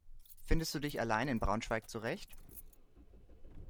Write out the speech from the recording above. Findest du dich allein in Braunschweig zurecht?